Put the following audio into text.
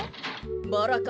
バラか。